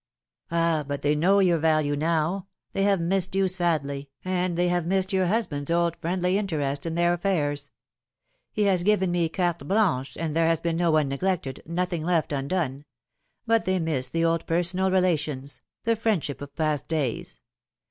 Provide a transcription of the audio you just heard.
" Ah, but they know your value now. They have missed you sadly, and they have missed your husband's old friendly interest in their affairs. He has given me carte blanche, and there has been no one neglected, nothing left undone ; but they miss the old personal relations, the friendship of past days.